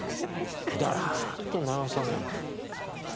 ダラッと流さないと。